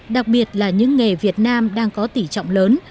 đặc biệt là những nghề việt nam đang có tỉ trọng lớn